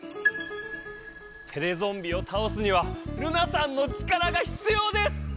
テレゾンビをたおすにはルナさんの力がひつようです！